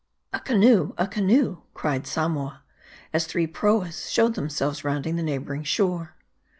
"A canoe ! a canoe !" cried Samoa, as three proas showed themselves rounding a neighboring shore.